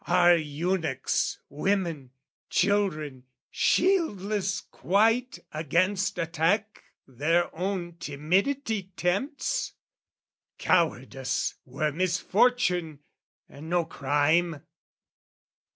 Are eunuchs, women, children, shieldless quite Against attack their own timidity tempts? Cowardice were misfortune and no crime!